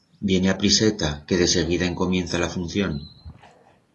Viene apriseta, que deseguida encomienza la función.